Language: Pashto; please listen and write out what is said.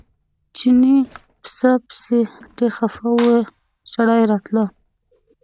چیني پسه پسې ډېر خپه و ژړا یې راتله.